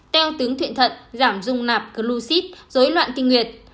teo tướng thuyện thận giảm dung nạp glucid dối loạn kinh nguyệt